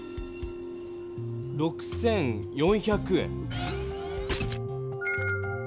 ６４００円。